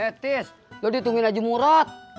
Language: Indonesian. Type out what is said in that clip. eh tis lo ditungguin aja murot